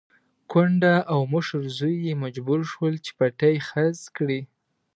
کونډه او مشر زوی يې مجبور شول چې پټی خرڅ کړي.